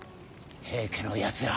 平家のやつら